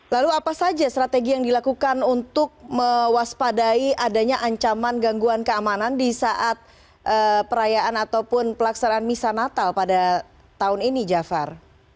lalu apa saja strategi yang dilakukan untuk mewaspadai adanya ancaman gangguan keamanan di saat perayaan ataupun pelaksanaan misa natal pada tahun ini jafar